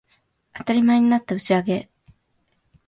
当たり前になった打ち上げ